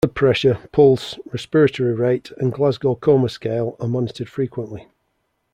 Blood pressure, pulse, respiratory rate, and Glasgow Coma Scale are monitored frequently.